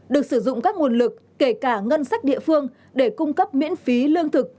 được sử dụng các nguồn lực kể cả ngân sách địa phương để cung cấp miễn phí lương thực